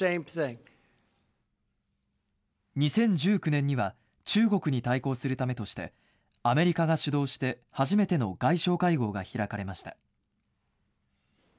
２０１９年には、中国に対抗するためとして、アメリカが主導して初めての外相会合が開かれました。